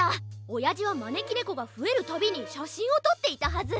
おやじはまねきねこがふえるたびにしゃしんをとっていたはず！